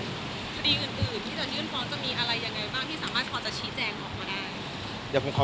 ที่จะยื่นฟ้องมีอะไรอย่างไรบ้างที่สามารถเพาะจะชี้แจงมองกันเอง